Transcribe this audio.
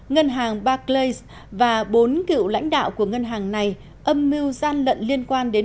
ngân hàng barclay và bốn cựu lãnh đạo của ngân hàng này âm mưu gian lận liên quan đến